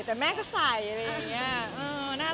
แต่แม่ก็ใส่อื้อน่ารัก